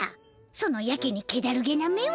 そのやけにけだるげな目は？